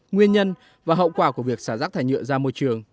nguyên nhân và hậu quả của việc xả rác thải nhựa ra môi trường